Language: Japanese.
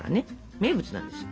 名物なんです。